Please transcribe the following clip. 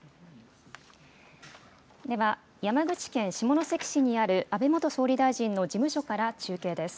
では山口県下関市にある安倍元総理大臣の事務所から中継です。